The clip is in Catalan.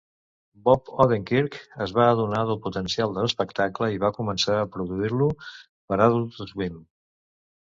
Bob Odenkirk es va adonar del potencial de l"espectable i va començar a produir-lo per Adult Swim.